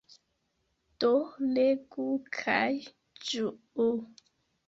Do legu, kaj ĝuu.